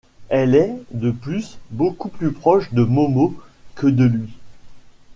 Elle est, de plus, beaucoup plus proche de Momo que de lui.